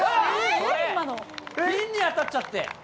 ピンに当たっちゃって。